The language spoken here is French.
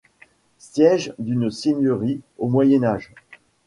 Siège d'une seigneurie, au Moyen Âge.